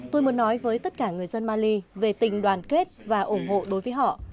tôi muốn nói với tất cả người dân mali về tình đoàn kết và ủng hộ đối với họ